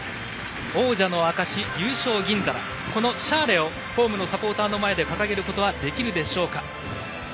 王者の証し優勝銀皿このシャーレをホームのサポーターの前で掲げることはできるでしょうか。